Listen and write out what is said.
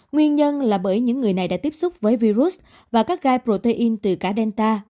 nguyên nhân là bởi những người này đã tiếp xúc với virus và các gai protein từ cá delta